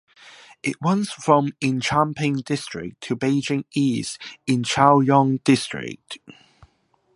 It runs from in Changping District to Beijing East in Chaoyang District.